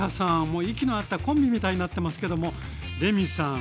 もう息の合ったコンビみたいになってますけどもレミさん